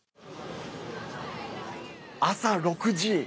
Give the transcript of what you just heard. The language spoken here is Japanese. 朝６時。